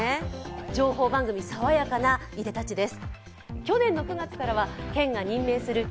情報番組、爽やかないでたちです。